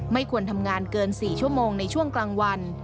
ไม่ควรทำงานเกิน๔ชั่วโมงในช่วงกลางวัน